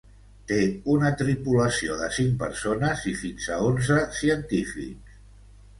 Té una tripulació de cinc persones i fins a onze científics.